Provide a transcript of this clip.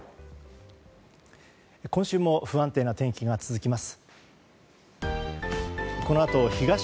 今週も不安定な天気が続きます。